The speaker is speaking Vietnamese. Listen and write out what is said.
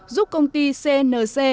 giúp công ty c n c